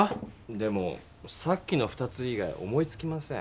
でもさっきの２つ以外思いつきません。